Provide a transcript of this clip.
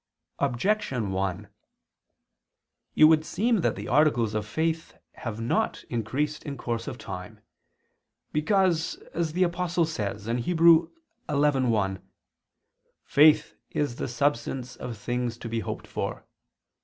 Objection 1: It would seem that the articles of faith have not increased in course of time. Because, as the Apostle says (Heb. 11:1), "faith is the substance of things to be hoped for."